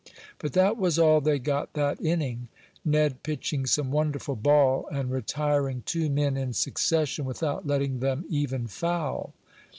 But that was all they got that inning Ned pitching some wonderful ball, and retiring two men in succession without letting them even foul.